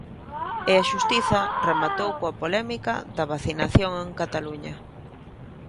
E a xustiza rematou coa polémica da vacinación en Cataluña.